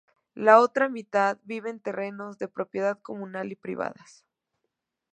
La otra mitad vive en terrenos de propiedad comunal y privadas.